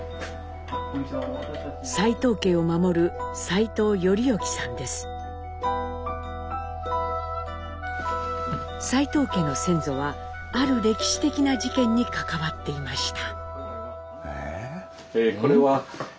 齋藤家を守る齋藤家の先祖はある歴史的な事件に関わっていました。